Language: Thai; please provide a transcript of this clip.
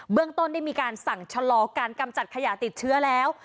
เรื่องต้นได้มีการสั่งชะลอการกำจัดขยะติดเชื้อแล้ว